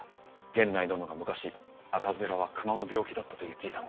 源内殿が昔赤面は熊の病気だったと言っていたのを。